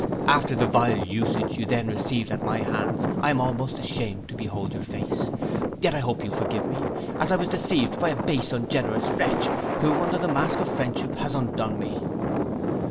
After the vile usage you then received at my hands I am almost ashamed to behold your face; yet I hope you'll forgive me, as I was deceived by a base ungenerous wretch, who, under the mask of friendship, has undone me.